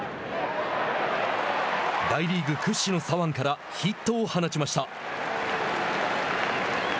大リーグ屈指の左腕からヒットを放ちました。